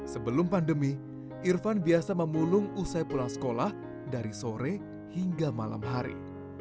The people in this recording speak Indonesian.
sebelum pandemi irfan biasa memulung usai pulang sekolah dari sore hingga malam hari